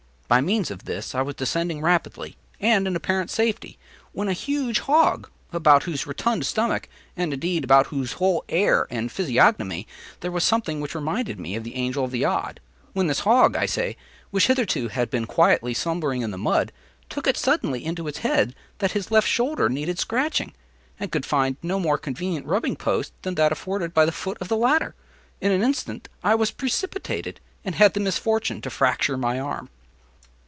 By means of this I was descending rapidly, and in apparent safety, when a huge hog, about whose rotund stomach, and indeed about whose whole air and physiognomy, there was something which reminded me of the Angel of the Odd,—when this hog, I say, which hitherto had been quietly slumbering in the mud, took it suddenly into his head that his left shoulder needed scratching, and could find no more convenient rubbing post than that afforded by the foot of the ladder. In an instant I was precipitated and had the misfortune to fracture my arm.